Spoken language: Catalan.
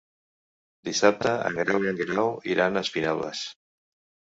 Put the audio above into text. Dissabte en Grau i en Guerau iran a Espinelves.